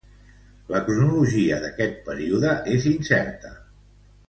La cronologia d'este període és incerta.